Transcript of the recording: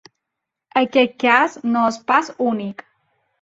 Aquest cas no és pas únic.